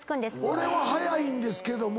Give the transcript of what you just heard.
俺は速いんですけども。